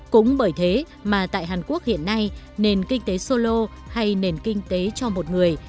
cũng bởi thế mà tại hàn quốc hiện nay nền kinh tế solo hay nền kinh tế cho một người